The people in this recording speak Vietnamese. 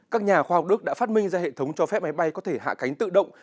các nhà khoa học đức đã phát minh ra hệ thống cho phép máy bay có thể hạ cánh tự động